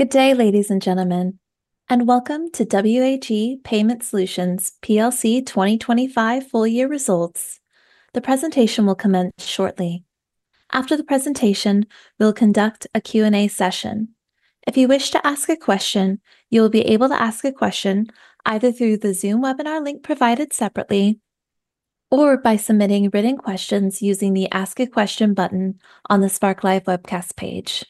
Good day, ladies and gentlemen, and welcome to W.A.G payment solutions plc 2025 full year results. The presentation will commence shortly. After the presentation, we'll conduct a Q&A session. If you wish to ask a question, you will be able to ask a question either through the Zoom webinar link provided separately or by submitting written questions using the Ask a Question button on the SparkLive webcast page.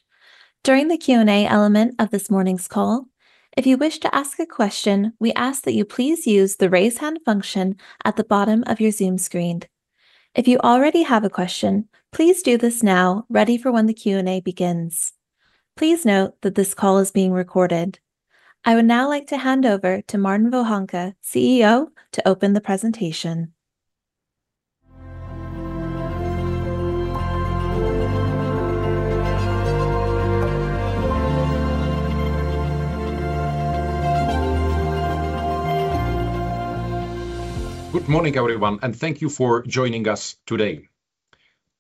During the Q&A element of this morning's call, if you wish to ask a question, we ask that you please use the raise hand function at the bottom of your Zoom screen. If you already have a question, please do this now, ready for when the Q&A begins. Please note that this call is being recorded. I would now like to hand over to Martin Vohánka, CEO, to open the presentation. Good morning, everyone, and thank you for joining us today.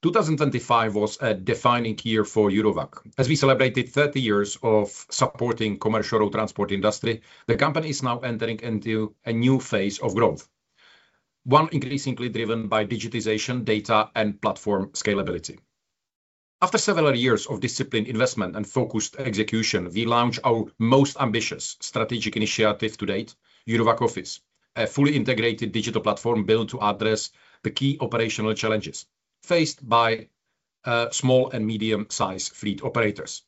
2025 was a defining year for Eurowag. As we celebrated 30 years of supporting commercial road transport industry, the company is now entering into a new phase of growth, one increasingly driven by digitization, data, and platform scalability. After several years of disciplined investment and focused execution, we launched our most ambitious strategic initiative to date, Eurowag Office, a fully integrated digital platform built to address the key operational challenges faced by small and medium-sized fleet operators.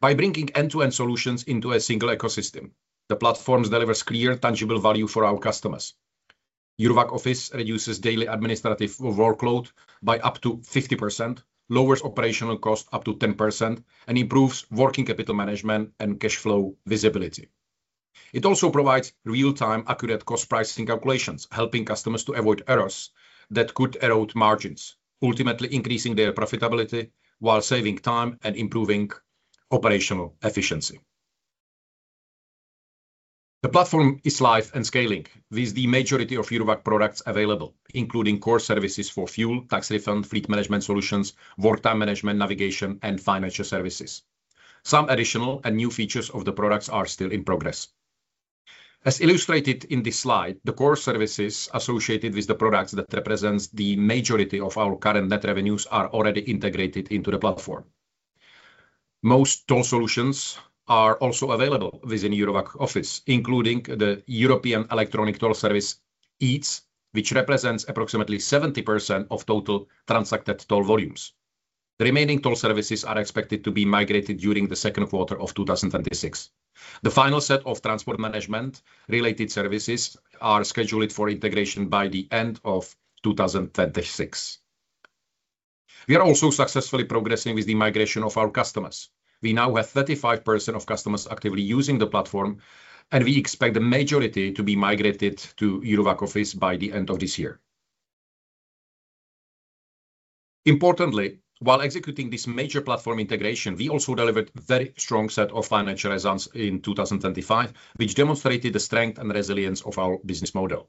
By bringing end-to-end solutions into a single ecosystem, the platforms delivers clear tangible value for our customers. Eurowag Office reduces daily administrative workload by up to 50%, lowers operational cost up to 10%, and improves working capital management and cash flow visibility. It also provides real-time accurate cost pricing calculations, helping customers to avoid errors that could erode margins, ultimately increasing their profitability while saving time and improving operational efficiency. The platform is live and scaling with the majority of Eurowag products available, including core services for fuel, tax refund, fleet management solutions, work time management, navigation, and financial services. Some additional and new features of the products are still in progress. As illustrated in this slide, the core services associated with the products that represents the majority of our current net revenues are already integrated into the platform. Most toll solutions are also available within Eurowag Office, including the European Electronic Toll Service, EETS, which represents approximately 70% of total transacted toll volumes. The remaining toll services are expected to be migrated during the second quarter of 2026. The final set of transport management related services are scheduled for integration by the end of 2026. We are also successfully progressing with the migration of our customers. We now have 35% of customers actively using the platform, and we expect the majority to be migrated to Eurowag Office by the end of this year. Importantly, while executing this major platform integration, we also delivered very strong set of financial results in 2025, which demonstrated the strength and resilience of our business model.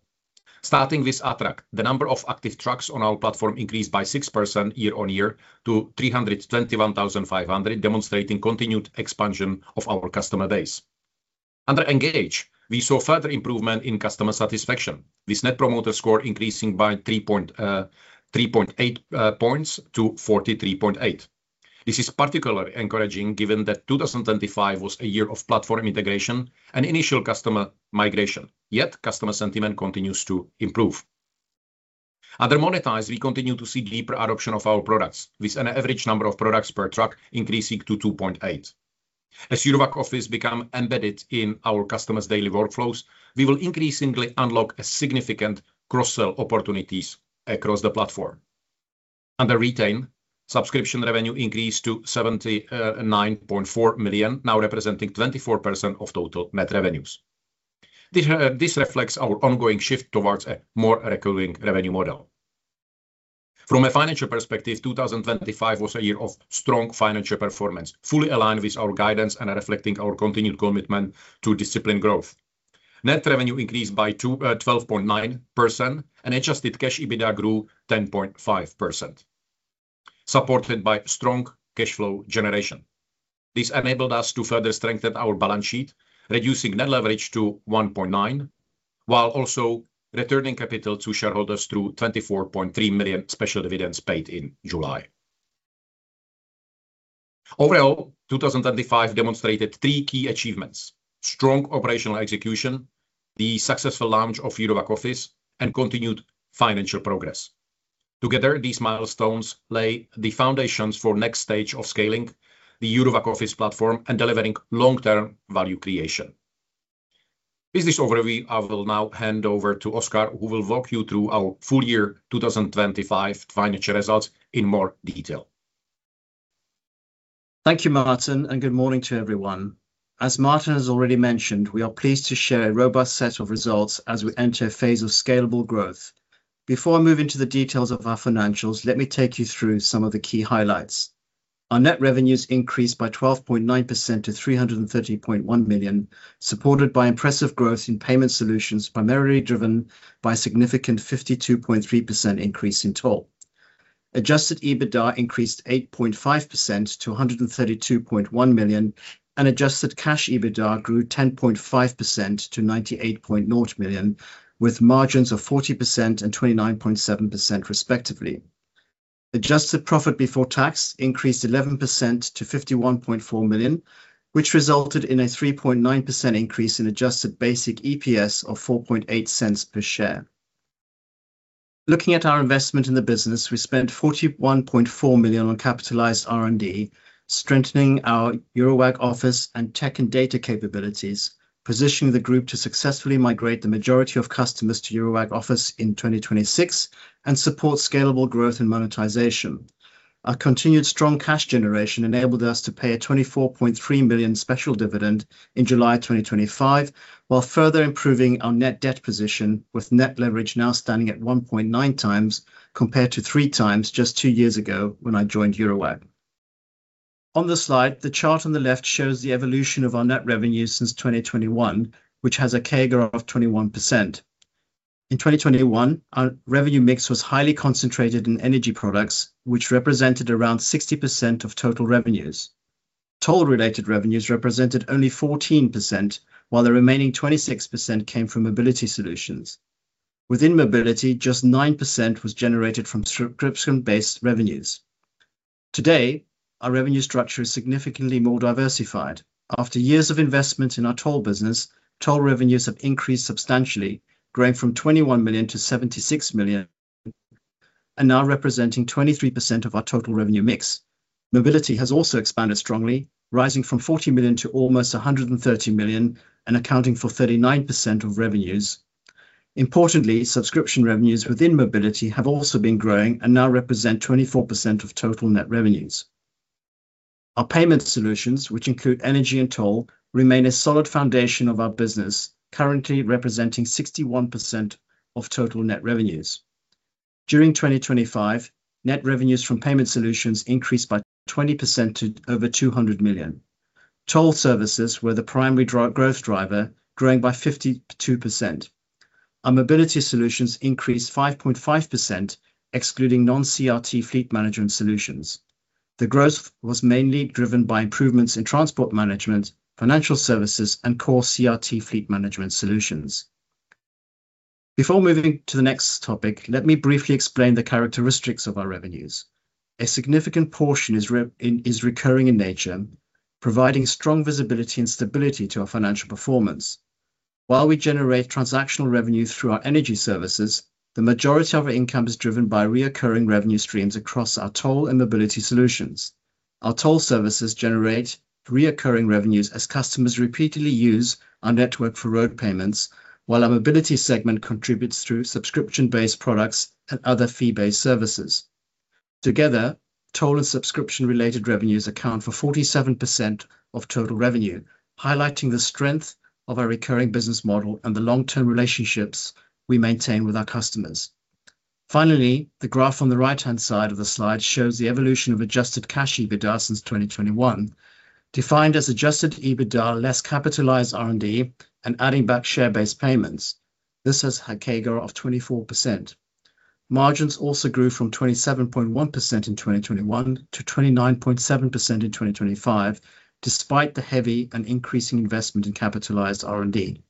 Starting with Attract, the number of active trucks on our platform increased by 6% year-on-year to 321,500, demonstrating continued expansion of our customer base. Under Engage, we saw further improvement in customer satisfaction with net promoter score increasing by 3.8 points to 43.8. This is particularly encouraging given that 2025 was a year of platform integration and initial customer migration. Yet customer sentiment continues to improve. Under Monetise, we continue to see deeper adoption of our products with an average number of products per truck increasing to 2.8. As Eurowag Office become embedded in our customer's daily workflows, we will increasingly unlock a significant cross-sell opportunities across the platform. Under Retain, subscription revenue increased to 79.4 million, now representing 24% of total net revenues. This reflects our ongoing shift towards a more recurring revenue model. From a financial perspective, 2025 was a year of strong financial performance, fully aligned with our guidance and reflecting our continued commitment to disciplined growth. Net revenue increased by 12.9%, and adjusted cash EBITDA grew 10.5%, supported by strong cash flow generation. This enabled us to further strengthen our balance sheet, reducing net leverage to 1.9, while also returning capital to shareholders through 24.3 million special dividends paid in July. Overall, 2025 demonstrated three key achievements. Strong operational execution, the successful launch of Eurowag Office, and continued financial progress. Together, these milestones lay the foundations for next stage of scaling the Eurowag Office platform and delivering long-term value creation. With this overview, I will now hand over to Oskar, who will walk you through our full year 2025 financial results in more detail. Thank you, Martin, and good morning to everyone. As Martin has already mentioned, we are pleased to share a robust set of results as we enter a phase of scalable growth. Before I move into the details of our financials, let me take you through some of the key highlights. Our net revenues increased by 12.9% to 330.1 million, supported by impressive growth in payment solutions, primarily driven by significant 52.3% increase in toll. Adjusted EBITDA increased 8.5% to 132.1 million and adjusted cash EBITDA grew 10.5% to 98.0 million, with margins of 40% and 29.7% respectively. Adjusted profit before tax increased 11% to 51.4 million, which resulted in a 3.9% increase in adjusted basic EPS of 0.048 per share. Looking at our investment in the business, we spent 41.4 million on capitalized R&D, strengthening our Eurowag Office and tech and data capabilities, positioning the group to successfully migrate the majority of customers to Eurowag Office in 2026 and support scalable growth and monetization. Our continued strong cash generation enabled us to pay a 24.3 million special dividend in July 2025, while further improving our net debt position with net leverage now standing at 1.9x compared to 3x just two years ago when I joined Eurowag. On the slide, the chart on the left shows the evolution of our net revenue since 2021, which has a CAGR of 21%. In 2021, our revenue mix was highly concentrated in energy products, which represented around 60% of total revenues. Toll-related revenues represented only 14%, while the remaining 26% came from mobility solutions. Within mobility, just 9% was generated from subscription-based revenues. Today, our revenue structure is significantly more diversified. After years of investment in our toll business, toll revenues have increased substantially, growing from 21 million to 76 million, and now representing 23% of our total revenue mix. Mobility has also expanded strongly, rising from 40 million to almost 130 million and accounting for 39% of revenues. Importantly, subscription revenues within mobility have also been growing and now represent 24% of total net revenues. Our payment solutions, which include energy and toll, remain a solid foundation of our business, currently representing 61% of total net revenues. During 2025, net revenues from payment solutions increased by 20% to over 200 million. Toll services were the primary growth driver, growing by 52%. Our mobility solutions increased 5.5%, excluding non-CRT fleet management solutions. The growth was mainly driven by improvements in transport management, financial services, and core CRT fleet management solutions. Before moving to the next topic, let me briefly explain the characteristics of our revenues. A significant portion is recurring in nature, providing strong visibility and stability to our financial performance. While we generate transactional revenue through our energy services, the majority of our income is driven by recurring revenue streams across our toll and mobility solutions. Our toll services generate recurring revenues as customers repeatedly use our network for road payments, while our mobility segment contributes through subscription-based products and other fee-based services. Together, toll and subscription-related revenues account for 47% of total revenue, highlighting the strength of our recurring business model and the long-term relationships we maintain with our customers. Finally, the graph on the right-hand side of the slide shows the evolution of adjusted cash EBITDA since 2021, defined as Adjusted EBITDA less capitalized R&D and adding back share-based payments. This has a CAGR of 24%. Margins also grew from 27.1% in 2021 to 29.7% in 2025, despite the heavy and increasing investment in capitalized R&D.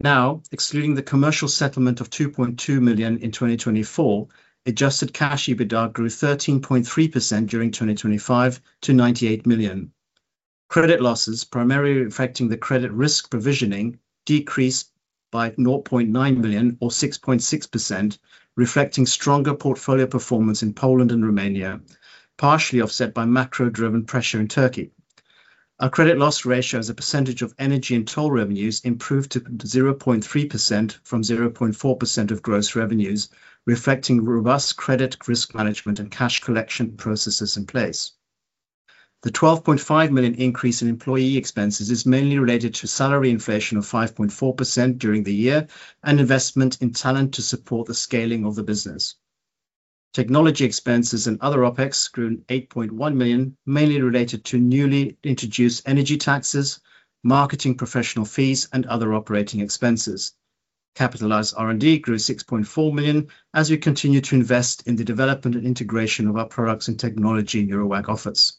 Now, excluding the commercial settlement of 2.2 million in 2024, adjusted cash EBITDA grew 13.3% during 2025 to 98 million. Credit losses, primarily affecting the credit risk provisioning, decreased by 0.9 million or 6.6%, reflecting stronger portfolio performance in Poland and Romania, partially offset by macro-driven pressure in Turkey. Our credit loss ratio as a percentage of energy and toll revenues improved to 0.3% from 0.4% of gross revenues, reflecting robust credit risk management and cash collection processes in place. The 12.5 million increase in employee expenses is mainly related to salary inflation of 5.4% during the year and investment in talent to support the scaling of the business. Technology expenses and other OpEx grew 8.1 million, mainly related to newly introduced energy taxes, marketing professional fees, and other operating expenses. Capitalized R&D grew 6.4 million as we continue to invest in the development and integration of our products and technology in Eurowag Office.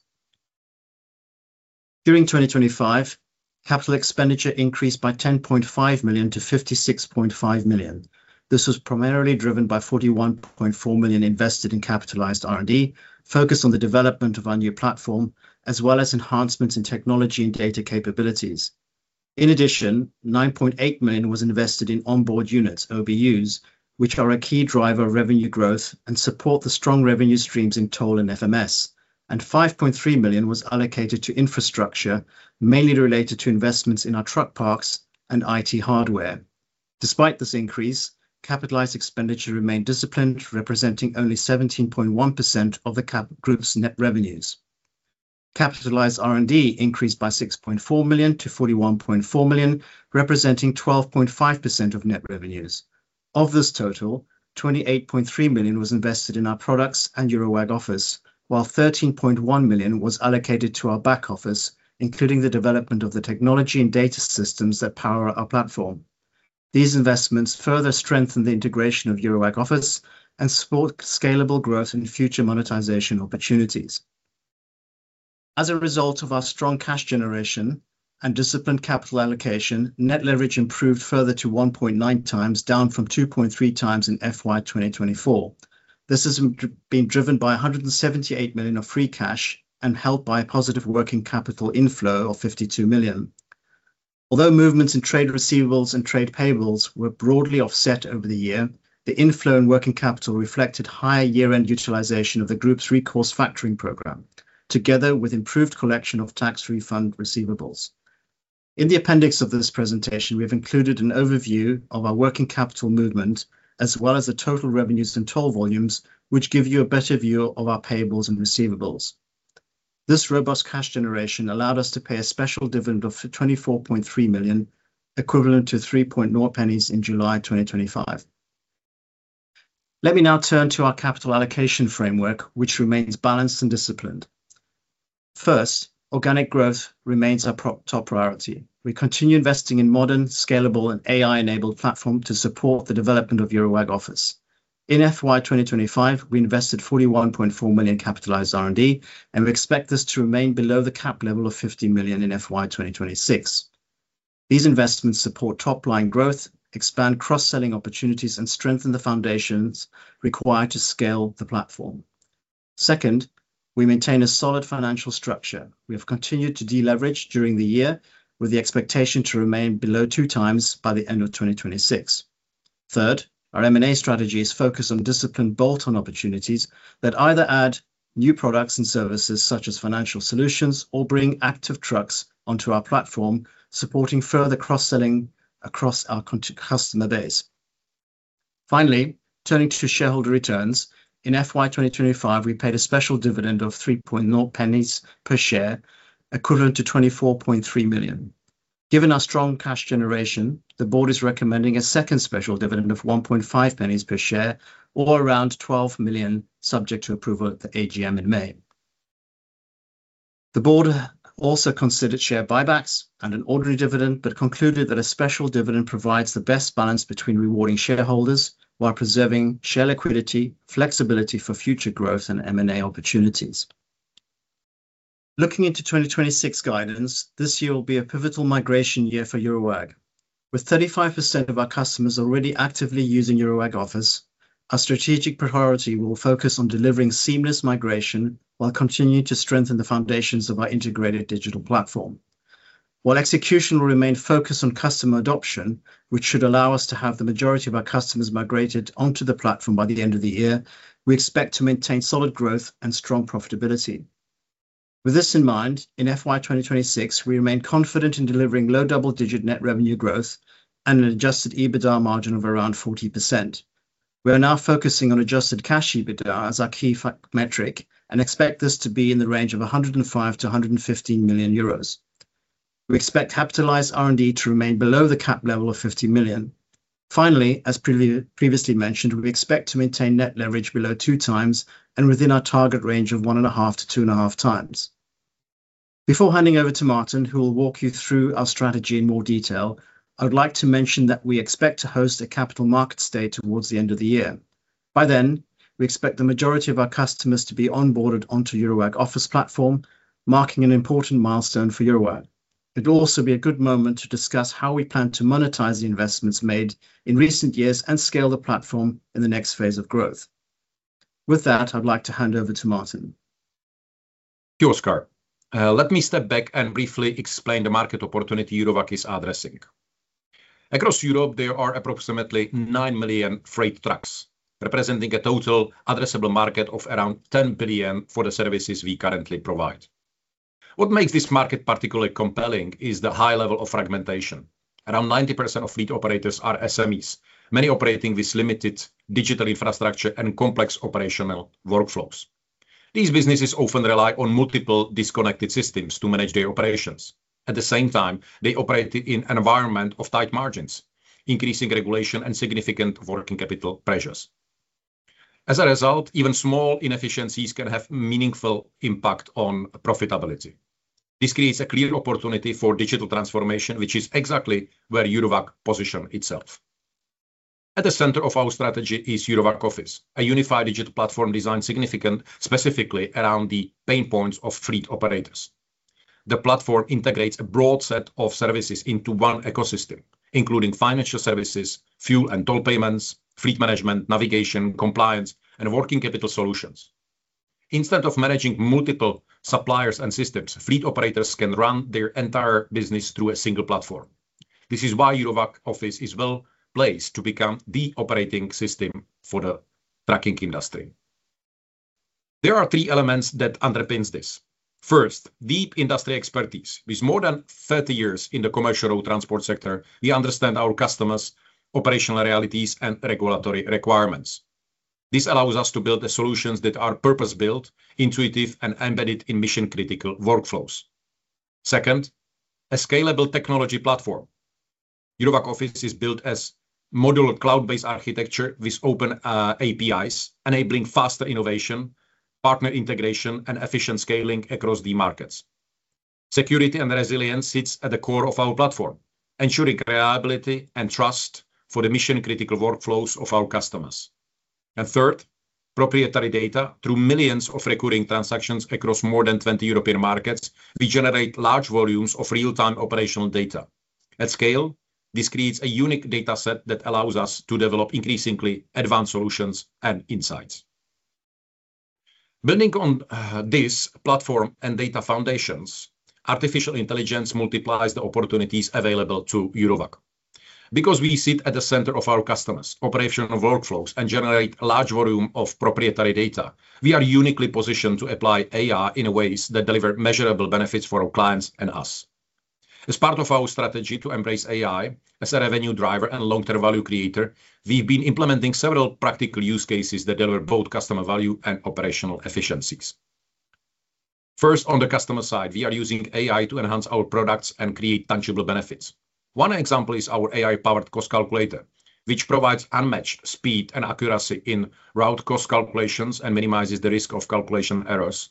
During 2025, capital expenditure increased by 10.5 million to 56.5 million. This was primarily driven by 41.4 million invested in capitalized R&D, focused on the development of our new platform, as well as enhancements in technology and data capabilities. In addition, 9.8 million was invested in On-Board Units, OBUs, which are a key driver of revenue growth and support the strong revenue streams in toll and FMS, and 5.3 million was allocated to infrastructure, mainly related to investments in our truck parks and IT hardware. Despite this increase, capitalized expenditure remained disciplined, representing only 17.1% of the group's net revenues. Capitalized R&D increased by 6.4 million to 41.4 million, representing 12.5% of net revenues. Of this total, 28.3 million was invested in our products and Eurowag Office, while 13.1 million was allocated to our back office, including the development of the technology and data systems that power our platform. These investments further strengthen the integration of Eurowag Office and support scalable growth and future monetization opportunities. As a result of our strong cash generation and disciplined capital allocation, net leverage improved further to 1.9x, down from 2.3x in FY 2024. This has been driven by 178 million of free cash and helped by a positive working capital inflow of 52 million. Although movements in trade receivables and trade payables were broadly offset over the year, the inflow in working capital reflected higher year-end utilization of the group's recourse factoring program together with improved collection of tax refund receivables. In the appendix of this presentation, we've included an overview of our working capital movement as well as the total revenues and toll volumes which give you a better view of our payables and receivables. This robust cash generation allowed us to pay a special dividend of 24.3 million, equivalent to 0.03 in July 2025. Let me now turn to our capital allocation framework, which remains balanced and disciplined. First, organic growth remains our top priority. We continue investing in modern, scalable, and AI-enabled platform to support the development of Eurowag Office. In FY 2025, we invested 41.4 million capitalized R&D, and we expect this to remain below the cap level of 50 million in FY 2026. These investments support top-line growth, expand cross-selling opportunities, and strengthen the foundations required to scale the platform. Second, we maintain a solid financial structure. We have continued to deleverage during the year, with the expectation to remain below 2x by the end of 2026. Third, our M&A strategy is focused on disciplined bolt-on opportunities that either add new products and services such as financial solutions or bring active trucks onto our platform, supporting further cross-selling across our customer base. Finally, turning to shareholder returns, in FY 2025, we paid a special dividend of 0.03 per share, equivalent to 24.3 million. Given our strong cash generation, the board is recommending a second special dividend of 0.15 per share, or around 12 million, subject to approval at the AGM in May. The board also considered share buybacks and an ordinary dividend but concluded that a special dividend provides the best balance between rewarding shareholders while preserving share liquidity, flexibility for future growth, and M&A opportunities. Looking into 2026 guidance, this year will be a pivotal migration year for Eurowag. With 35% of our customers already actively using Eurowag Office, our strategic priority will focus on delivering seamless migration while continuing to strengthen the foundations of our integrated digital platform. While execution will remain focused on customer adoption, which should allow us to have the majority of our customers migrated onto the platform by the end of the year, we expect to maintain solid growth and strong profitability. With this in mind, in FY 2026, we remain confident in delivering low double-digit net revenue growth and an Adjusted EBITDA margin of around 40%. We are now focusing on adjusted cash EBITDA as our key metric and expect this to be in the range of 105 million-115 million euros. We expect capitalized R&D to remain below the cap level of 50 million. Finally, as previously mentioned, we expect to maintain net leverage below 2x and within our target range of 1.5x-2.5x. Before handing over to Martin, who will walk you through our strategy in more detail, I would like to mention that we expect to host a Capital Markets Day towards the end of the year. By then, we expect the majority of our customers to be onboarded onto Eurowag Office platform, marking an important milestone for Eurowag. It'll also be a good moment to discuss how we plan to monetize the investments made in recent years and scale the platform in the next phase of growth. With that, I'd like to hand over to Martin. Thank you, Oskar. Let me step back and briefly explain the market opportunity Eurowag is addressing. Across Europe, there are approximately nine million freight trucks, representing a total addressable market of around 10 billion for the services we currently provide. What makes this market particularly compelling is the high level of fragmentation. Around 90% of fleet operators are SMEs, many operating with limited digital infrastructure and complex operational workflows. These businesses often rely on multiple disconnected systems to manage their operations. At the same time, they operate in an environment of tight margins, increasing regulation, and significant working capital pressures. As a result, even small inefficiencies can have meaningful impact on profitability. This creates a clear opportunity for digital transformation, which is exactly where Eurowag position itself. At the center of our strategy is Eurowag Office, a unified digital platform designed specifically around the pain points of fleet operators. The platform integrates a broad set of services into one ecosystem, including financial services, fuel and toll payments, fleet management, navigation, compliance, and working capital solutions. Instead of managing multiple suppliers and systems, fleet operators can run their entire business through a single platform. This is why Eurowag Office is well-placed to become the operating system for the trucking industry. There are three elements that underpins this. First, deep industry expertise. With more than 30 years in the commercial transport sector, we understand our customers' operational realities and regulatory requirements. This allows us to build the solutions that are purpose-built, intuitive, and embedded in mission-critical workflows. Second, a scalable technology platform. Eurowag Office is built as modular cloud-based architecture with open APIs, enabling faster innovation, partner integration, and efficient scaling across the markets. Security and resilience sits at the core of our platform, ensuring reliability and trust for the mission-critical workflows of our customers. Third, proprietary data through millions of recurring transactions across more than 20 European markets, we generate large volumes of real-time operational data. At scale, this creates a unique data set that allows us to develop increasingly advanced solutions and insights. Building on this platform and data foundations, artificial intelligence multiplies the opportunities available to Eurowag. Because we sit at the center of our customers' operational workflows and generate a large volume of proprietary data, we are uniquely positioned to apply AI in ways that deliver measurable benefits for our clients and us. As part of our strategy to embrace AI as a revenue driver and long-term value creator, we've been implementing several practical use cases that deliver both customer value and operational efficiencies. First, on the customer side, we are using AI to enhance our products and create tangible benefits. One example is our AI-powered cost calculator, which provides unmatched speed and accuracy in route cost calculations and minimizes the risk of calculation errors,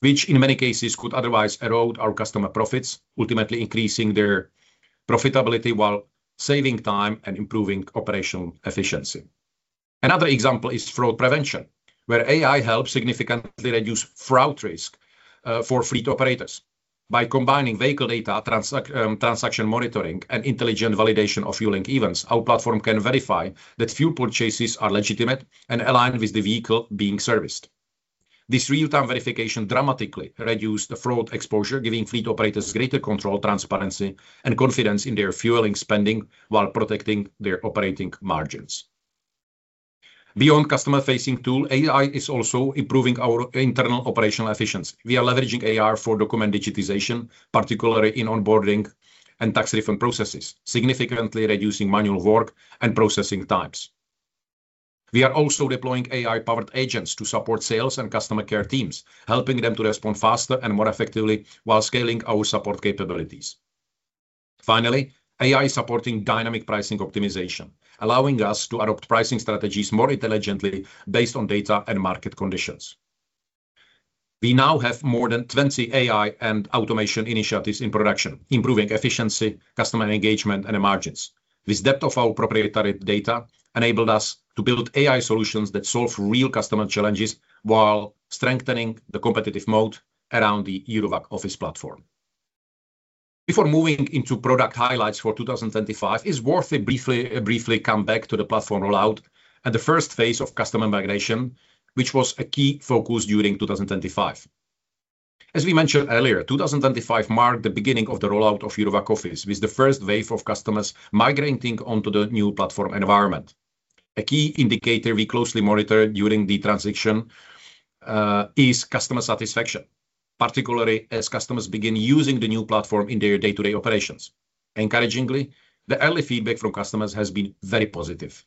which in many cases could otherwise erode our customer profits, ultimately increasing their profitability while saving time and improving operational efficiency. Another example is fraud prevention, where AI helps significantly reduce fraud risk for fleet operators. By combining vehicle data, transaction monitoring and intelligent validation of fueling events, our platform can verify that fuel purchases are legitimate and aligned with the vehicle being serviced. This real-time verification dramatically reduce the fraud exposure, giving fleet operators greater control, transparency, and confidence in their fueling spending while protecting their operating margins. Beyond customer-facing tool, AI is also improving our internal operational efficiency. We are leveraging AI for document digitization, particularly in onboarding and tax refund processes, significantly reducing manual work and processing times. We are also deploying AI-powered agents to support sales and customer care teams, helping them to respond faster and more effectively while scaling our support capabilities. Finally, AI supporting dynamic pricing optimization, allowing us to adopt pricing strategies more intelligently based on data and market conditions. We now have more than 20 AI and automation initiatives in production, improving efficiency, customer engagement, and margins. This depth of our proprietary data enabled us to build AI solutions that solve real customer challenges while strengthening the competitive moat around the Eurowag Office platform. Before moving into product highlights for 2025, it's worth it to briefly come back to the platform rollout and the first phase of customer migration, which was a key focus during 2025. As we mentioned earlier, 2025 marked the beginning of the rollout of Eurowag Office with the first wave of customers migrating onto the new platform environment. A key indicator we closely monitored during the transition is customer satisfaction, particularly as customers begin using the new platform in their day-to-day operations. Encouragingly, the early feedback from customers has been very positive.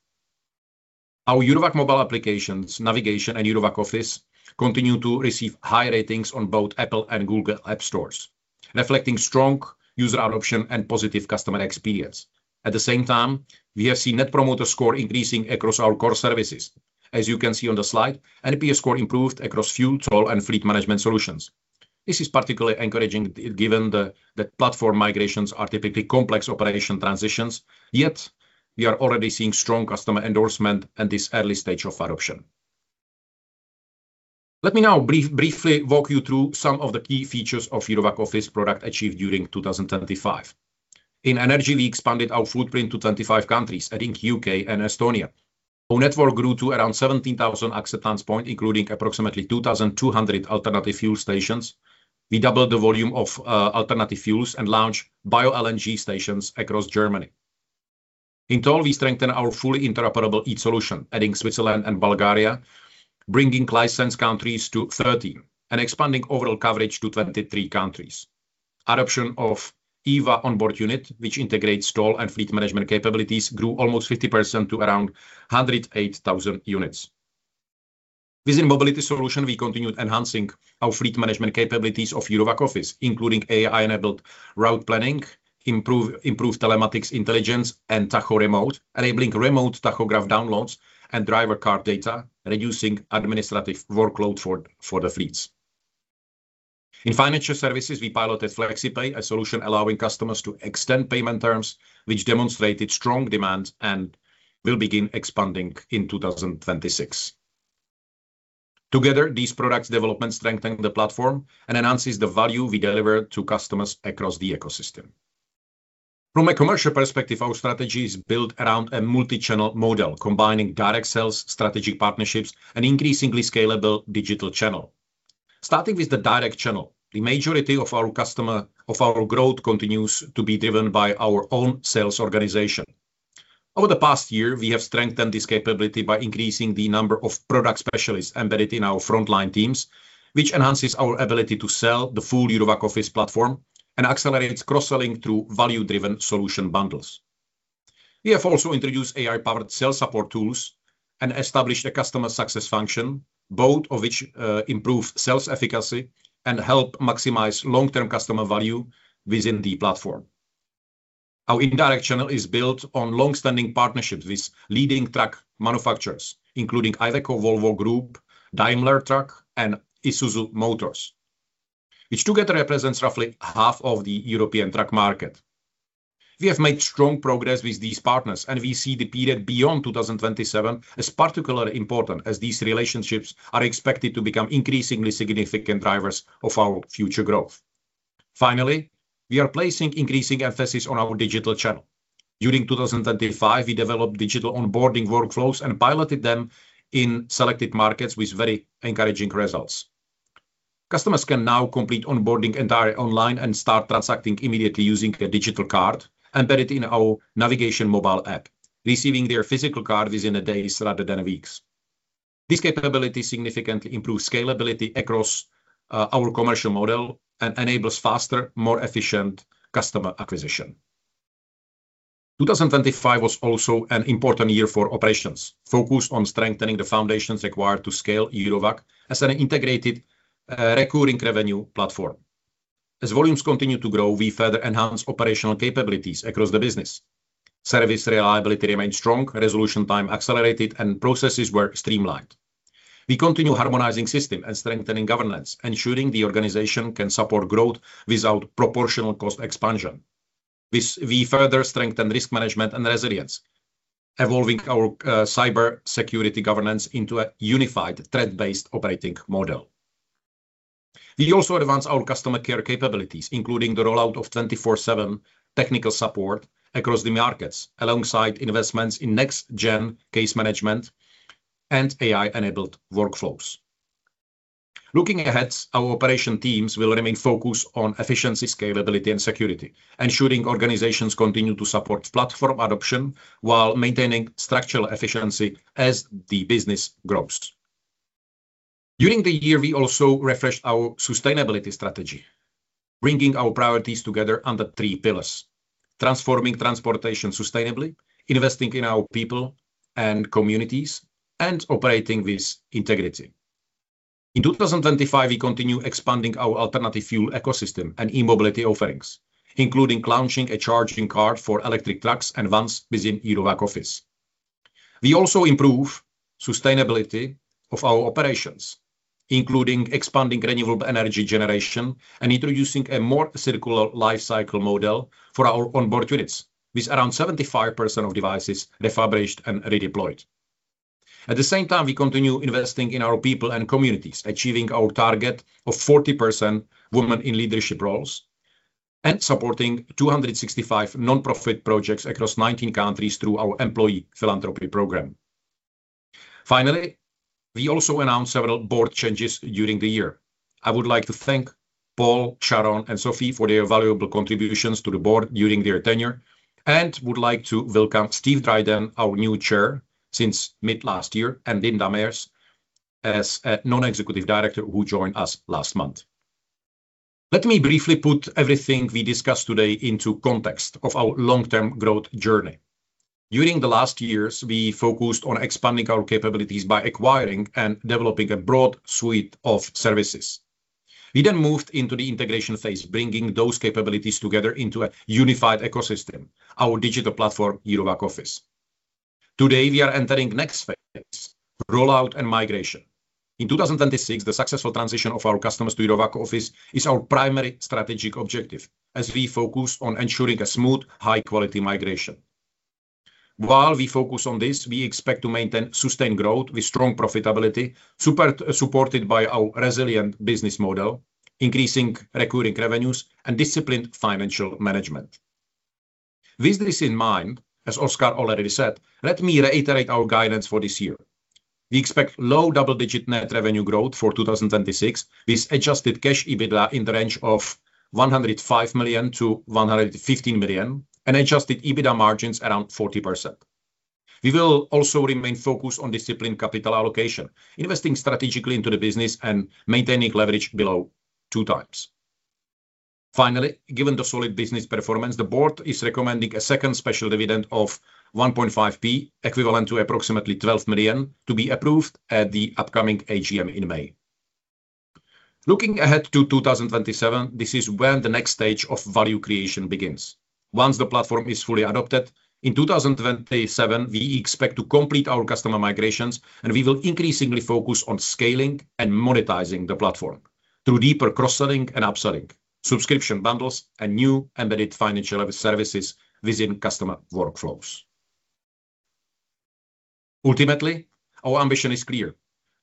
Our Eurowag mobile applications, navigation, and Eurowag Office continue to receive high ratings on both Apple and Google App Stores, reflecting strong user adoption and positive customer experience. At the same time, we have seen Net Promoter Score increasing across our core services. As you can see on the slide, NPS score improved across fuel, toll, and fleet management solutions. This is particularly encouraging given that platform migrations are typically complex operation transitions, yet we are already seeing strong customer endorsement at this early stage of adoption. Let me now briefly walk you through some of the key features of Eurowag Office product achieved during 2025. In energy, we expanded our footprint to 25 countries, adding U.K. and Estonia. Our network grew to around 17,000 acceptance points, including approximately 2,200 alternative fuel stations. We doubled the volume of alternative fuels and launched BioLNG stations across Germany. In toll, we strengthen our fully interoperable EETS solution, adding Switzerland and Bulgaria, bringing licensed countries to 13 and expanding overall coverage to 23 countries. Adoption of EVA On-Board Unit, which integrates toll and fleet management capabilities, grew almost 50% to around 108,000 units. Within mobility solution, we continued enhancing our fleet management capabilities of Eurowag Office, including AI-enabled route planning, improved telematics intelligence and Tacho Remote, enabling remote tachograph downloads and driver card data, reducing administrative workload for the fleets. In financial services, we piloted FlexiPay, a solution allowing customers to extend payment terms, which demonstrated strong demand and will begin expanding in 2026. Together, these products development strengthen the platform and enhances the value we deliver to customers across the ecosystem. From a commercial perspective, our strategy is built around a multichannel model, combining direct sales, strategic partnerships, and increasingly scalable digital channel. Starting with the direct channel, the majority of our growth continues to be driven by our own sales organization. Over the past year, we have strengthened this capability by increasing the number of product specialists embedded in our frontline teams, which enhances our ability to sell the full Eurowag Office platform and accelerates cross-selling through value-driven solution bundles. We have also introduced AI-powered sales support tools and established a customer success function, both of which improve sales efficacy and help maximize long-term customer value within the platform. Our indirect channel is built on long-standing partnerships with leading truck manufacturers, including Iveco, Volvo Group, Daimler Truck, and Isuzu Motors, which together represents roughly half of the European truck market. We have made strong progress with these partners, and we see the period beyond 2027 as particularly important as these relationships are expected to become increasingly significant drivers of our future growth. Finally, we are placing increasing emphasis on our digital channel. During 2025, we developed digital onboarding workflows and piloted them in selected markets with very encouraging results. Customers can now complete onboarding entirely online and start transacting immediately using a digital card embedded in our navigation mobile app, receiving their physical card within days rather than weeks. This capability significantly improves scalability across our commercial model and enables faster, more efficient customer acquisition. 2025 was also an important year for operations, focused on strengthening the foundations required to scale Eurowag as an integrated recurring revenue platform. As volumes continue to grow, we further enhance operational capabilities across the business. Service reliability remains strong, resolution time accelerated, and processes were streamlined. We continue harmonizing system and strengthening governance, ensuring the organization can support growth without proportional cost expansion. This, we further strengthen risk management and resilience, evolving our cyber security governance into a unified threat-based operating model. We also advance our customer care capabilities, including the rollout of 24/7 technical support across the markets, alongside investments in next gen case management and AI-enabled workflows. Looking ahead, our operations teams will remain focused on efficiency, scalability, and security, ensuring organizations continue to support platform adoption while maintaining structural efficiency as the business grows. During the year, we also refreshed our sustainability strategy, bringing our priorities together under three pillars, transforming transportation sustainably, investing in our people and communities, and operating with integrity. In 2025, we continue expanding our alternative fuel ecosystem and e-mobility offerings, including launching a charging card for electric trucks and vans within Eurowag Office. We also improve sustainability of our operations, including expanding renewable energy generation and introducing a more circular lifecycle model for our On-Board Units, with around 75% of devices refurbished and redeployed. At the same time, we continue investing in our people and communities, achieving our target of 40% women in leadership roles and supporting 265 nonprofit projects across 19 countries through our employee philanthropy program. Finally, we also announced several board changes during the year. I would like to thank Paul, Sharon, and Sophie for their valuable contributions to the board during their tenure and would like to welcome Steve Dryden, our new Chair since mid last year, and Wim Demeers as a Non-Executive Director who joined us last month. Let me briefly put everything we discussed today into context of our long-term growth journey. During the last years, we focused on expanding our capabilities by acquiring and developing a broad suite of services. We then moved into the integration phase, bringing those capabilities together into a unified ecosystem, our digital platform, Eurowag Office. Today, we are entering next phase, rollout and migration. In 2026, the successful transition of our customers to Eurowag Office is our primary strategic objective as we focus on ensuring a smooth, high quality migration. While we focus on this, we expect to maintain sustained growth with strong profitability, supported by our resilient business model, increasing recurring revenues, and disciplined financial management. With this in mind, as Oskar already said, let me reiterate our guidance for this year. We expect low double-digit net revenue growth for 2026, with adjusted cash EBITDA in the range of 105 million-115 million and Adjusted EBITDA margins around 40%. We will also remain focused on disciplined capital allocation, investing strategically into the business and maintaining leverage below 2x. Finally, given the solid business performance, the board is recommending a second special dividend of 1.5p, equivalent to approximately 12 million to be approved at the upcoming AGM in May. Looking ahead to 2027, this is when the next stage of value creation begins. Once the platform is fully adopted, in 2027, we expect to complete our customer migrations, and we will increasingly focus on scaling and monetizing the platform through deeper cross-selling and upselling, subscription bundles, and new embedded financial services within customer workflows. Ultimately, our ambition is clear,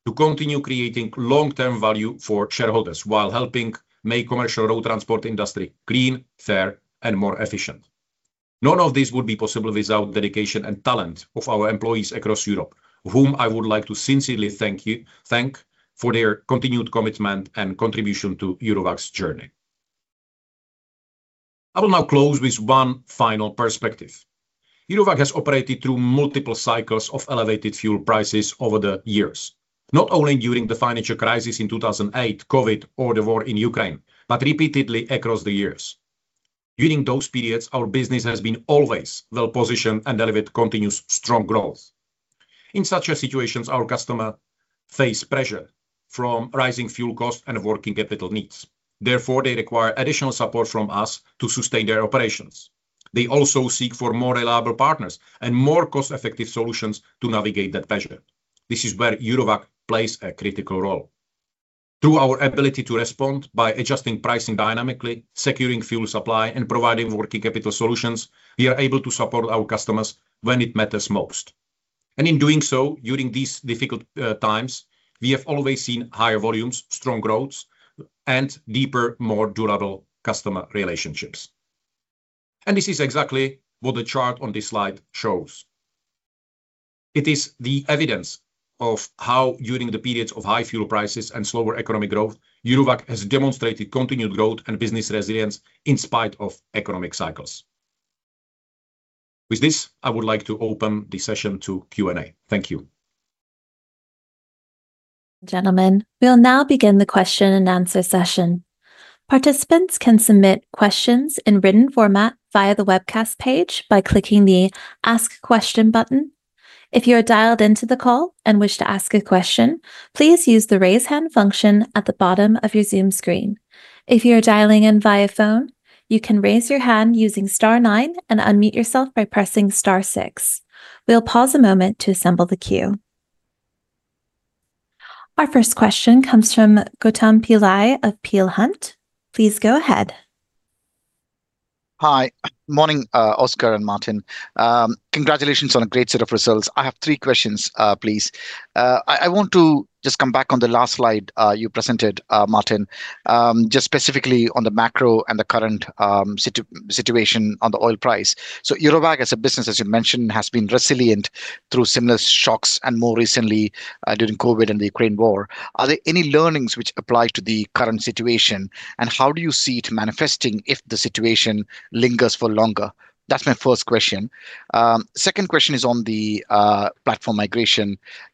to continue creating long-term value for shareholders while helping make commercial road transport industry clean, fair, and more efficient. None of this would be possible without dedication and talent of our employees across Europe, whom I would like to sincerely thank for their continued commitment and contribution to Eurowag's journey. I will now close with one final perspective. Eurowag has operated through multiple cycles of elevated fuel prices over the years, not only during the financial crisis in 2008, COVID, or the war in Ukraine, but repeatedly across the years. During those periods, our business has been always well-positioned and delivered continuous strong growth. In such situations, our customers face pressure from rising fuel costs and working capital needs. Therefore, they require additional support from us to sustain their operations. They also seek for more reliable partners and more cost-effective solutions to navigate that pressure. This is where Eurowag plays a critical role. Through our ability to respond by adjusting pricing dynamically, securing fuel supply, and providing working capital solutions, we are able to support our customers when it matters most. In doing so, during these difficult times, we have always seen higher volumes, strong growth, and deeper, more durable customer relationships. This is exactly what the chart on this slide shows. It is the evidence of how during the periods of high fuel prices and slower economic growth, Eurowag has demonstrated continued growth and business resilience in spite of economic cycles. With this, I would like to open the session to Q&A. Thank you. Gentlemen. We'll now begin the question and answer session. Participants can submit questions in written format via the webcast page by clicking the Ask Question button. If you are dialed into the call and wish to ask a question, please use the raise hand function at the bottom of your Zoom screen. If you are dialing in via phone, you can raise your hand using star nine and unmute yourself by pressing star six. We'll pause a moment to assemble the queue. Our first question comes from Gautam Pillai of Peel Hunt. Please go ahead. Hi. Morning, Oskar and Martin. Congratulations on a great set of results. I have three questions, please. I want to just come back on the last slide you presented, Martin, just specifically on the macro and the current situation on the oil price. Eurowag, as a business, as you mentioned, has been resilient through similar shocks and more recently during COVID and the Ukraine war. Are there any learnings which apply to the current situation, and how do you see it manifesting if the situation lingers for longer? That's my first question. Second question is on the platform migration.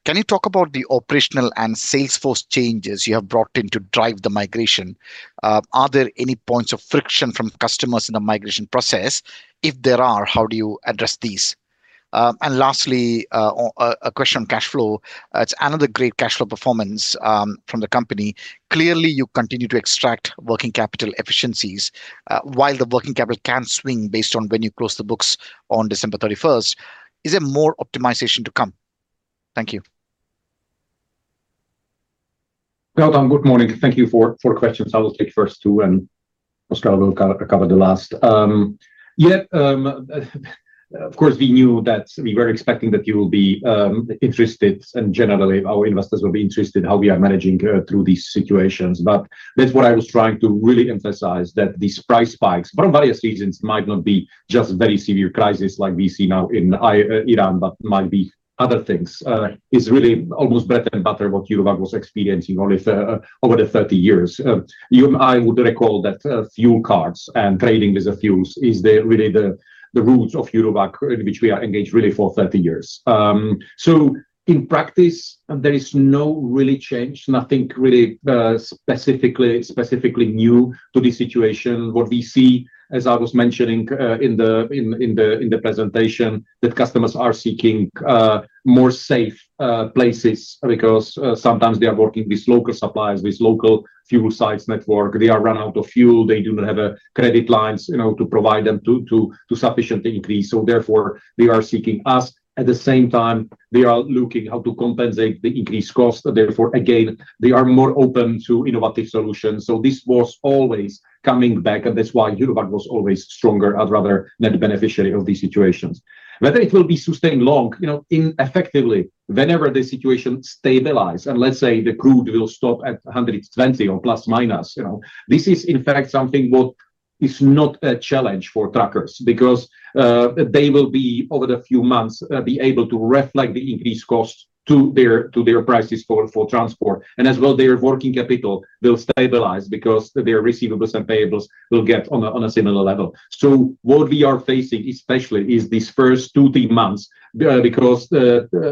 Can you talk about the operational and sales force changes you have brought in to drive the migration? Are there any points of friction from customers in the migration process? If there are, how do you address these? Lastly, a question on cash flow. It's another great cash flow performance from the company. Clearly, you continue to extract working capital efficiencies. While the working capital can swing based on when you close the books on December 31st, is there more optimization to come? Thank you. Gautam, good morning. Thank you for questions. I will take first two and Oskar will co-cover the last. Of course, we knew that we were expecting that you will be interested, and generally our investors will be interested how we are managing through these situations. That's what I was trying to really emphasize, that these price spikes for various reasons might not be just very severe crisis like we see now in Iran, but might be other things. It's really almost bread and butter what Eurowag was experiencing only for over the 30 years. You and I would recall that fuel cards and trading diesel fuels is the roots of Eurowag in which we are engaged really for 30 years. In practice, there is no real change, nothing really specifically new to this situation. What we see, as I was mentioning in the presentation, is that customers are seeking more safe places because sometimes they are working with local suppliers, with local fuel sites network. They run out of fuel. They do not have credit lines, you know, to provide them to sufficient increase. Therefore, they are seeking us. At the same time, they are looking how to compensate the increased cost. Therefore, again, they are more open to innovative solutions. This was always coming back, and that's why Eurowag was always stronger or rather net beneficiary of these situations. Whether it will be sustained long, you know, in effectively, whenever the situation stabilize, and let's say the crude will stop at 120 or ±, you know, this is in fact something what is not a challenge for truckers because they will be over the few months be able to reflect the increased cost to their prices for transport. As well their working capital will stabilize because their receivables and payables will get on a similar level. What we are facing especially is these first two to three months because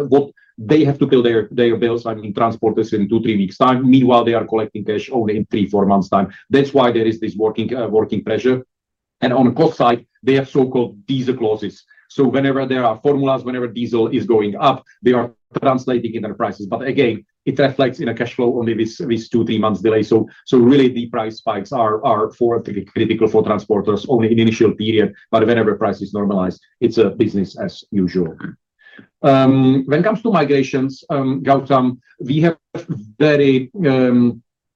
what they have to build their bills, I mean, transport this in two to three weeks time. Meanwhile, they are collecting cash only in three to four months time. That's why there is this working pressure. On cost side, they have so-called diesel clauses. Whenever there are formulas, whenever diesel is going up, they are translating in their prices. Again, it reflects in a cash flow only with two to three months delay. Really the price spikes are critical for transporters only in initial period. Whenever price is normalized, it's business as usual. When it comes to migrations, Gautam, we have very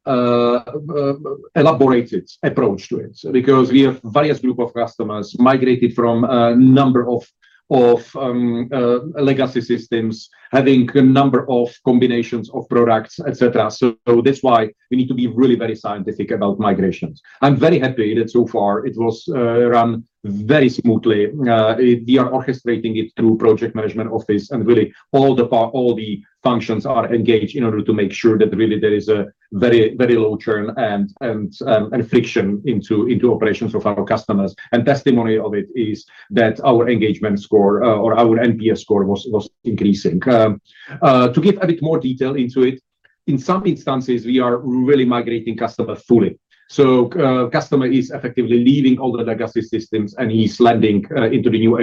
elaborated approach to it because we have various group of customers migrated from a number of legacy systems having a number of combinations of products, et cetera. That's why we need to be really very scientific about migrations. I'm very happy that so far it was run very smoothly. We are orchestrating it through project management office, and really all the functions are engaged in order to make sure that really there is a very low churn and friction into operations of our customers. Testimony of it is that our engagement score or our NPS score was increasing. To give a bit more detail into it. In some instances, we are really migrating customer fully. Customer is effectively leaving all the legacy systems and he's landing into the new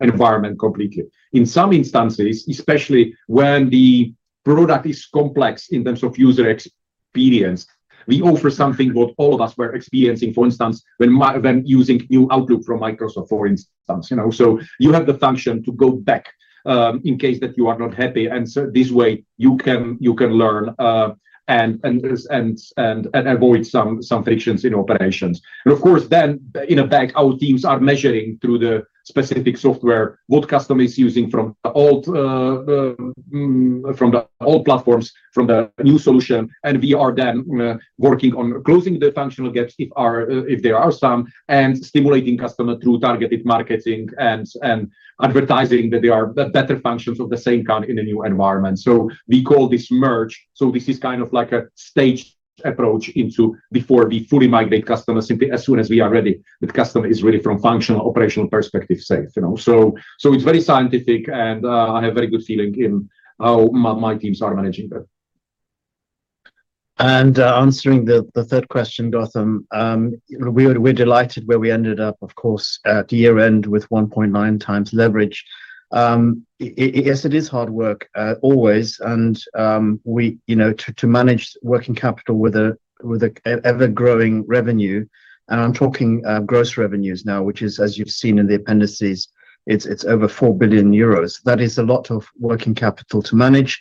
environment completely. In some instances, especially when the product is complex in terms of user experience, we offer something what all of us were experiencing, for instance, when using new Outlook from Microsoft, for instance, you know. You have the function to go back, in case that you are not happy. This way you can learn and avoid some frictions in operations. Of course, in the back, our teams are measuring through the specific software what customer is using from the old platforms, from the new solution. We are working on closing the functional gaps, if there are some, and stimulating customer through targeted marketing and advertising that there are better functions of the same kind in a new environment. We call this merge. This is kind of like a staged approach into before we fully migrate customers simply as soon as we are ready, the customer is really from functional, operational perspective safe, you know. It's very scientific, and I have very good feeling in how my teams are managing that. Answering the third question, Gautam. We're delighted where we ended up, of course, at year-end with 1.9x leverage. Yes, it is hard work always. We, you know, to manage working capital with a ever-growing revenue, and I'm talking gross revenues now, which is, as you've seen in the appendices, it's over 4 billion euros. That is a lot of working capital to manage.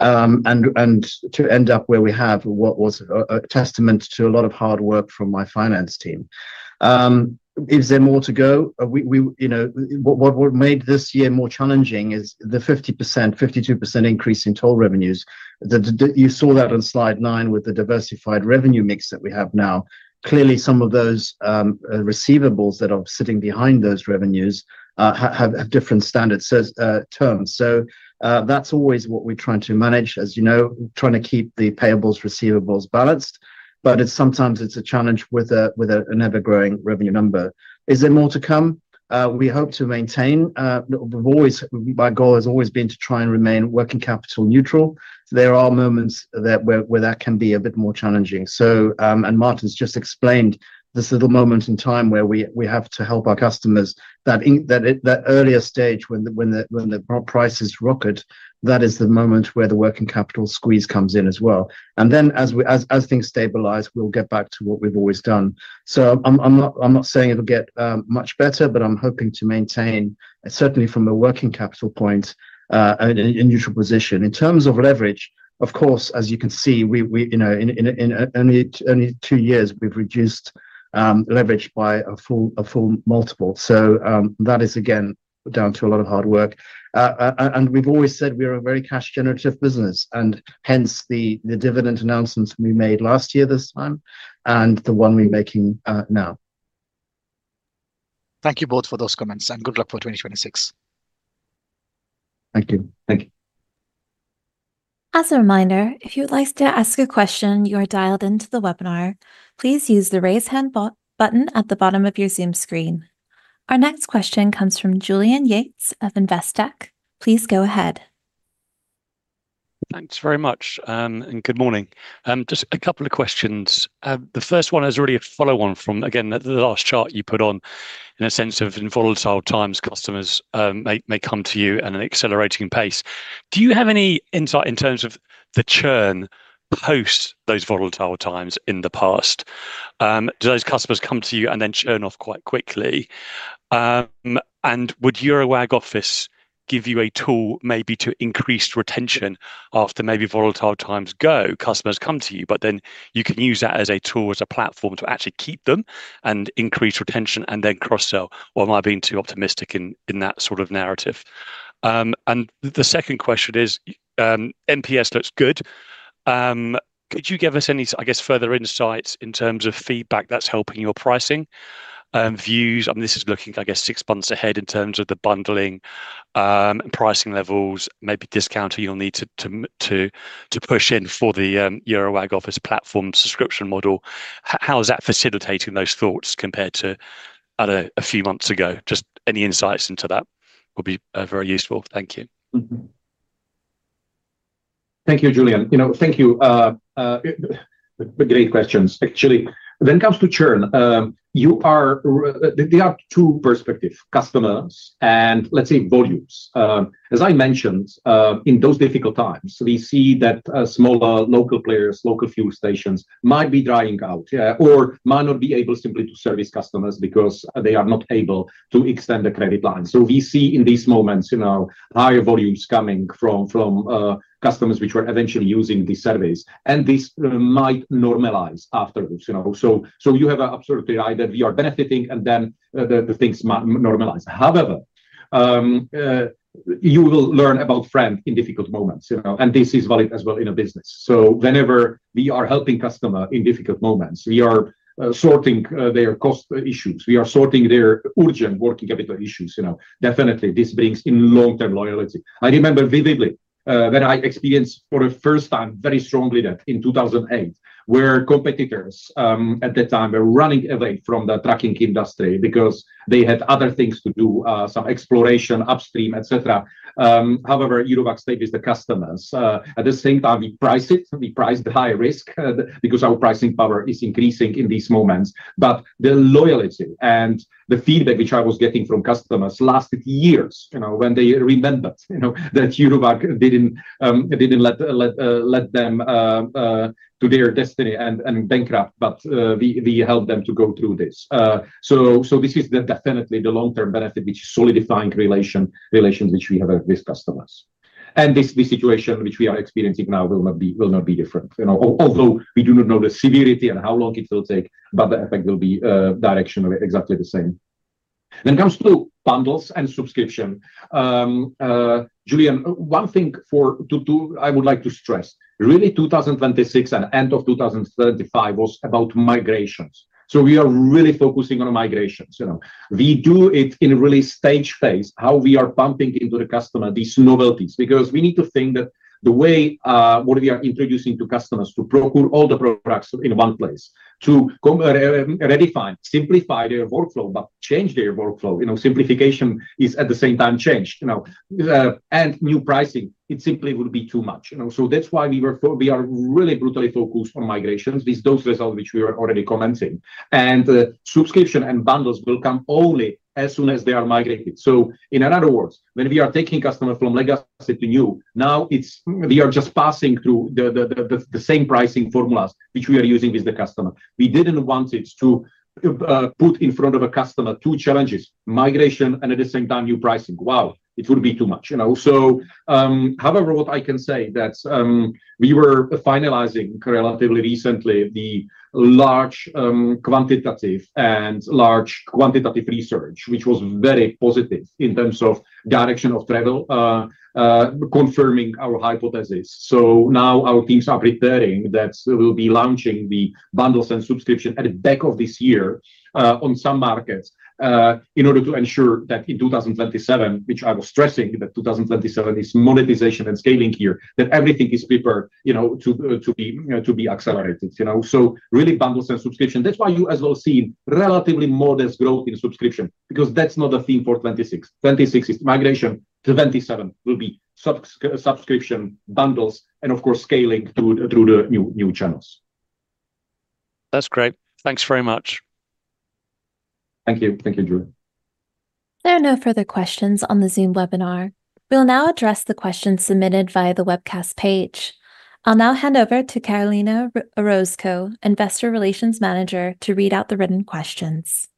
And to end up where we have what was a testament to a lot of hard work from my finance team. Is there more to go? We, you know, what made this year more challenging is the 50%, 52% increase in toll revenues. You saw that on slide nine with the diversified revenue mix that we have now. Clearly, some of those receivables that are sitting behind those revenues have different standards, terms. That's always what we're trying to manage, as you know, trying to keep the payables, receivables balanced. Sometimes it's a challenge with an ever-growing revenue number. Is there more to come? We hope to maintain. Our goal has always been to try and remain working capital neutral. There are moments where that can be a bit more challenging. And Martin's just explained this little moment in time where we have to help our customers in that earlier stage when the prices rocket, that is the moment where the working capital squeeze comes in as well. As things stabilize, we'll get back to what we've always done. I'm not saying it'll get much better, but I'm hoping to maintain, certainly from a working capital point, a neutral position. In terms of leverage, of course, as you can see, you know, in only two years, we've reduced leverage by a full multiple. That is again down to a lot of hard work. We've always said we are a very cash generative business, and hence the dividend announcements we made last year this time and the one we're making now. Thank you both for those comments, and good luck for 2026. Thank you. Thank you. As a reminder, if you would like to ask a question, you are dialed into the webinar. Please use the Raise Hand button at the bottom of your Zoom screen. Our next question comes from Julian Yates of Investec. Please go ahead. Thanks very much and good morning. Just a couple of questions. The first one is really a follow-on from, again, the last chart you put on in a sense of in volatile times, customers may come to you at an accelerating pace. Do you have any insight in terms of the churn post those volatile times in the past? Do those customers come to you and then churn off quite quickly? And would Eurowag Office give you a tool maybe to increase retention after maybe volatile times go? Customers come to you, but then you can use that as a tool, as a platform to actually keep them and increase retention and then cross-sell, or am I being too optimistic in that sort of narrative? And the second question is, NPS looks good. Could you give us any, I guess, further insights in terms of feedback that's helping your pricing views? I mean, this is looking, I guess, six months ahead in terms of the bundling, pricing levels, maybe discount you'll need to push in for the Eurowag Office platform subscription model. How is that facilitating those thoughts compared to a few months ago? Just any insights into that will be very useful. Thank you. Thank you, Julian. You know, thank you. Great questions. Actually, when it comes to churn, there are two perspectives: customers and, let's say, volumes. As I mentioned, in those difficult times, we see that smaller local players, local fuel stations might be dying out, or might not be able simply to service customers because they are not able to extend the credit line. We see in these moments, you know, higher volumes coming from customers which were eventually using these services, and this might normalize after this, you know. You are absolutely right that we are benefiting and then the things might normalize. However, you will learn about friends in difficult moments, you know, and this is valid as well in a business. Whenever we are helping customer in difficult moments, we are sorting their cost issues, we are sorting their urgent working capital issues, you know. Definitely, this brings in long-term loyalty. I remember vividly when I experienced for the first time very strongly that in 2008, where competitors at the time were running away from the trucking industry because they had other things to do, some exploration, upstream, etc. However, Eurowag stayed with the customers. At the same time, we priced it. We priced high risk because our pricing power is increasing in these moments. The loyalty and the feedback which I was getting from customers lasted years, you know, when they remembered, you know, that Eurowag didn't let them to their destiny and bankrupt, but we helped them to go through this. This is definitely the long-term benefit which solidifying relations which we have with customers. This situation which we are experiencing now will not be different. You know, although we do not know the severity and how long it will take, but the effect will be directionally exactly the same. When it comes to bundles and subscription, Julian, one thing I would like to stress, really 2026 and end of 2035 was about migrations. So we are really focusing on migrations. You know? We do it in a really stage phase, how we are pumping into the customer these novelties. Because we need to think that the way, what we are introducing to customers to procure all the products in one place, to redefine, simplify their workflow, but change their workflow. You know, simplification is at the same time change. You know? New pricing, it simply would be too much. You know? That's why we were fo- we are really brutally focused on migrations, those results which we are already commenting. Subscription and bundles will come only as soon as they are migrated. In other words, when we are taking customer from legacy to new, now it's we are just passing through the same pricing formulas which we are using with the customer. We didn't want it to put in front of a customer two challenges, migration and at the same time new pricing. Wow, it would be too much. You know? However, what I can say that we were finalizing relatively recently the large quantitative research, which was very positive in terms of direction of travel, confirming our hypothesis. Now our teams are preparing that we'll be launching the bundles and subscription at the back of this year, on some markets, in order to ensure that in 2027, which I was stressing that 2027 is monetization and scaling year, that everything is prepared, you know, to be accelerated. You know? Really bundles and subscription. That's why you've also seen relatively modest growth in subscription because that's not a thing for 2026. 2026 is migration. 2027 will be subscription bundles and of course scaling through the new channels. That's great. Thanks very much. Thank you. Thank you, Julian. There are no further questions on the Zoom webinar. We'll now address the questions submitted via the webcast page. I'll now hand over to Carolina Orozco, Investor Relations Manager, to read out the written questions.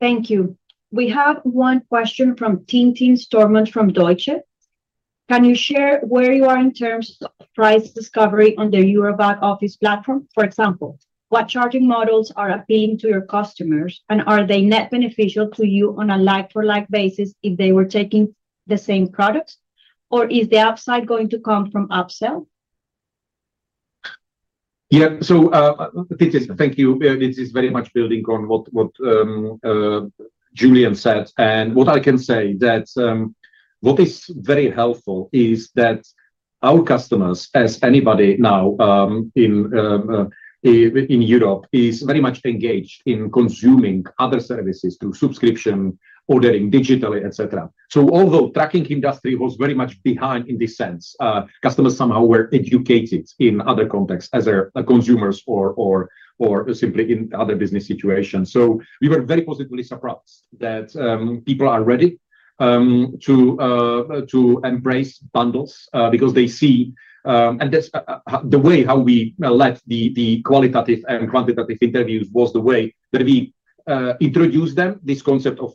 Thank you. We have one question from Tintin Stormont from Deutsche Bank. Can you share where you are in terms of price discovery on the Eurowag Office platform? For example, what charging models are appealing to your customers, and are they net beneficial to you on a like for like basis if they were taking the same products? Or is the upside going to come from upsell? Yeah, Tintin, thank you. This is very much building on what Julian said. What I can say that what is very helpful is that our customers, as anybody now in Europe, is very much engaged in consuming other services through subscription, ordering digitally, et cetera. Although trucking industry was very much behind in this sense, customers somehow were educated in other contexts as consumers or simply in other business situations. We were very positively surprised that people are ready to embrace bundles because they see. That's the way we led the qualitative and quantitative interviews, the way that we introduced to them this concept of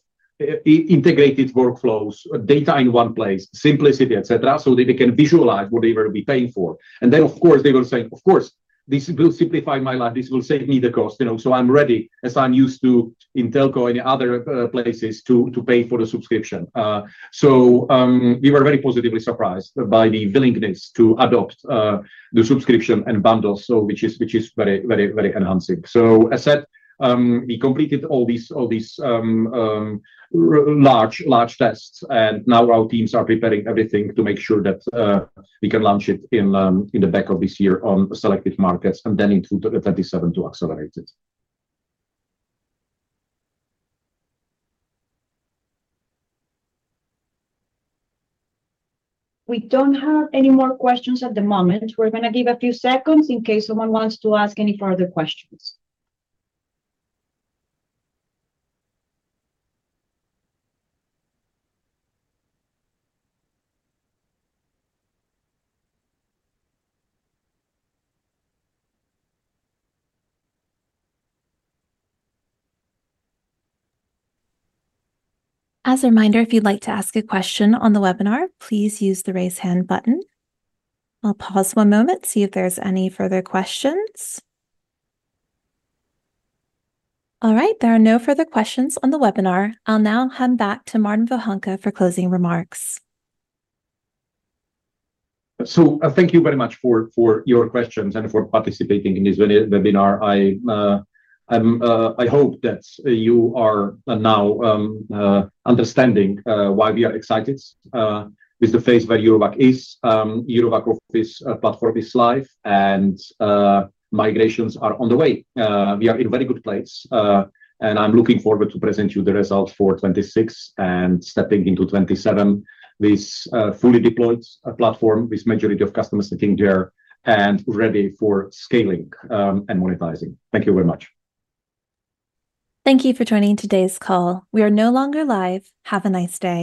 integrated workflows, data in one place, simplicity, et cetera, so that they can visualize whatever they'll be paying for. Then, of course, they will say, "Of course, this will simplify my life. This will save me the cost. You know, so I'm ready, as I'm used to in telco and other places to pay for the subscription." We were very positively surprised by the willingness to adopt the subscription and bundles, which is very encouraging. As said, we completed all these large tests, and now our teams are preparing everything to make sure that we can launch it in the back of this year on selected markets and then in 2027 to accelerate it. We don't have any more questions at the moment. We're gonna give a few seconds in case someone wants to ask any further questions. As a reminder, if you'd like to ask a question on the webinar, please use the Raise Hand button. I'll pause one moment, see if there's any further questions. All right. There are no further questions on the webinar. I'll now hand back to Martin Vohánka for closing remarks. Thank you very much for your questions and for participating in this webinar. I hope that you are now understanding why we are excited with the phase where Eurowag is. Eurowag Office platform is live and migrations are on the way. We are in very good place and I'm looking forward to present you the results for 2026 and stepping into 2027 with fully deployed platform with majority of customers sitting there and ready for scaling and monetizing. Thank you very much. Thank you for joining today's call. We are no longer live. Have a nice day.